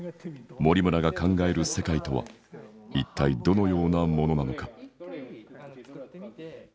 森村が考える世界とは一体どのようなものなのか？